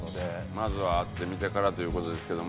まずは会ってみてからという事ですけどもね